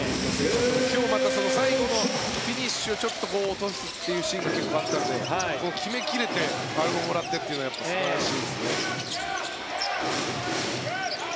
最後のフィニッシュちょっと落とすというシーンがあったので決め切れてファウルももらってというのは素晴らしいですね。